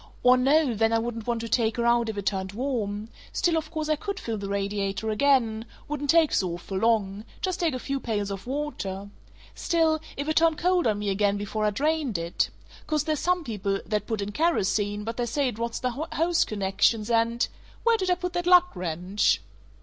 "Or no, then I wouldn't want to take her out if it turned warm still, of course, I could fill the radiator again wouldn't take so awful long just take a few pails of water still, if it turned cold on me again before I drained it Course there's some people that put in kerosene, but they say it rots the hose connections and Where did I put that lug wrench?"